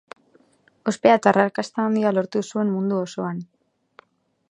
Ospea eta arrakasta handia lortu zuen mundu osoan.